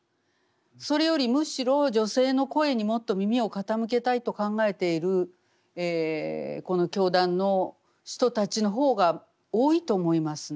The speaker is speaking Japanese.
それよりむしろ女性の声にもっと耳を傾けたいと考えているこの教団の人たちの方が多いと思いますね。